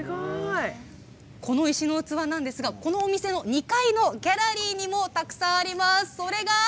この石の器はこのお店の２階のギャラリーにもたくさんあります。